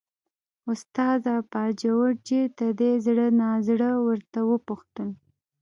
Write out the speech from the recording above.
استاده! باجوړ چېرته دی، زړه نازړه ورته وپوښتل.